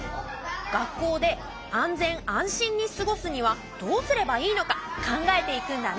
学校で安全・安心に過ごすにはどうすればいいのか考えていくんだね。